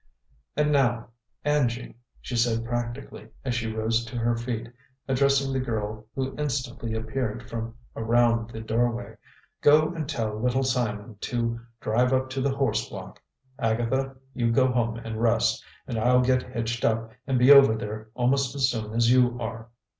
"And now, Angie," she said practically, as she rose to her feet, addressing the girl who instantly appeared from around the doorway, "go and tell Little Simon to drive up to the horse block. Agatha, you go home and rest, and I'll get hitched up and be over there almost as soon as you are.